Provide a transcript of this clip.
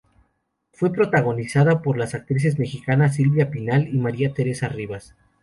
Fue protagonizada por las actrices mexicanas Silvia Pinal y María Teresa Rivas.